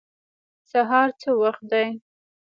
سهار څه وخت دی؟